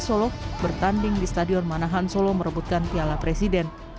solo bertanding di stadion manahan solo merebutkan piala presiden